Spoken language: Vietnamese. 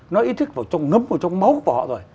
nó ý thức vào trong ngấm vào trong máu của họ rồi